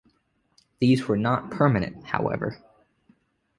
These were not permanent, however.